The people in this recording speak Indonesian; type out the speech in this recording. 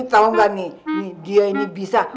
tau gak nih dia ini bisa